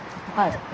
はい。